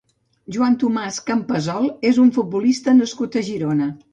Joan Tomàs Campasol és un futbolista nascut a Girona.